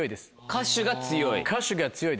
歌手が強いです。